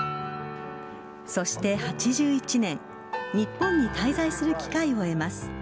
そして、８１年日本に滞在する機会を得ます。